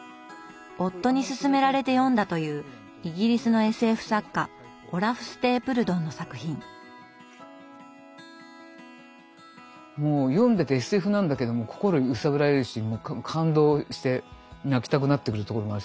夫にすすめられて読んだというイギリスのもう読んでてＳＦなんだけども心揺さぶられるし感動して泣きたくなってくるところもあるし